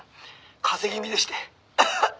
「風邪気味でして」